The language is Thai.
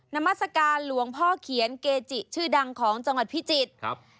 นามัศกาลหลวงพ่อเขียนเกจิชื่อดังของจังหวัดพิจิตรครับ